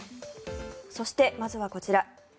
そして、まずはこちら。